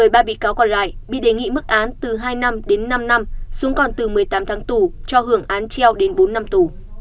một mươi ba bị cáo còn lại bị đề nghị mức án từ hai năm đến năm năm xuống còn từ một mươi tám tháng tù cho hưởng án treo đến bốn năm tù